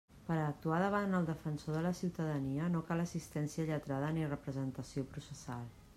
Per a actuar davant el Defensor de la Ciutadania no cal assistència lletrada ni representació processal.